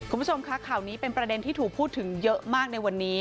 คุณผู้ชมคะข่าวนี้เป็นประเด็นที่ถูกพูดถึงเยอะมากในวันนี้